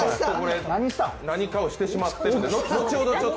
何かをしてしまってるんです。